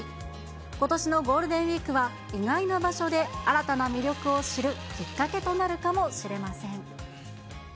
ことしのゴールデンウィークは、意外な場所で新たな魅力を知るきっかけとなるかもしれません。